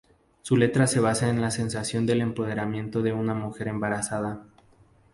Su letra se basa en la sensación de empoderamiento de una mujer embarazada.